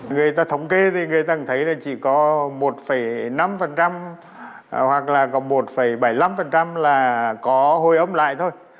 người ta thống kê thì người ta thấy là chỉ có một năm hoặc là còn một bảy mươi năm là có hồi ấm lại thôi